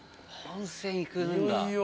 温泉行くんだ。